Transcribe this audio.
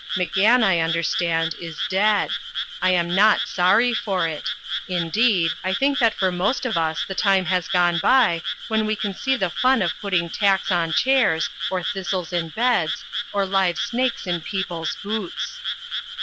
McGann, I understand, is dead. I am not sorry for it. Indeed, I think that for most of us the time has gone by when we can see the fun of putting tacks on chairs, or thistles in beds, or live snakes in people's boots.